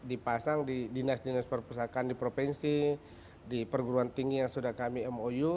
dipasang di dinas dinas perpustakaan di provinsi di perguruan tinggi yang sudah kami mou